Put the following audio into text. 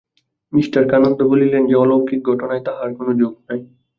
Me কানন্দ বলেন যে, অলৌকিক ঘটনায় তাঁহার কোন ঝোঁক নাই।